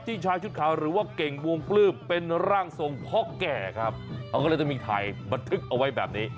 ชายชุดขาวหรือว่าเก่งวงปลื้มเป็นร่างทรงพ่อแก่ครับเขาก็เลยจะมีถ่ายบันทึกเอาไว้แบบนี้